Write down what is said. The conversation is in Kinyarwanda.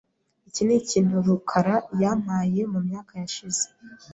Iki nikintu rukara yampaye mumyaka yashize .